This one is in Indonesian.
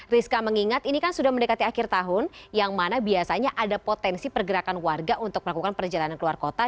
rizka mengingat ini kan sudah mendekati akhir tahun yang mana biasanya ada potensi pergerakan warga untuk melakukan perjalanan keluar kota